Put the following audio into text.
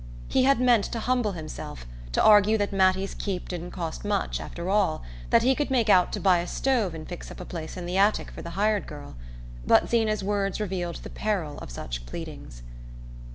He had meant to humble himself, to argue that Mattie's keep didn't cost much, after all, that he could make out to buy a stove and fix up a place in the attic for the hired girl but Zeena's words revealed the peril of such pleadings.